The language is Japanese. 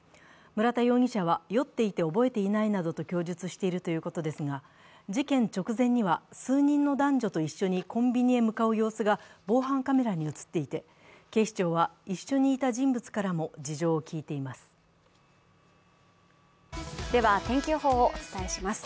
村田容疑者は酔っていて覚えていないなどと供述しているということですが、事件直前には数人の男女と一緒にコンビニへ向かう様子が防犯カメラに映っていて、警視庁は一緒にいた人物からも事情を聴いています。